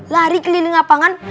lari keliling apangan